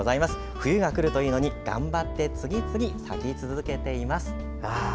冬がくるというのに頑張って次々咲き続けています。